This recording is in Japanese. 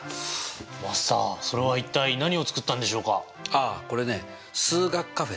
マスターそれは一体何を作ったんでしょうか？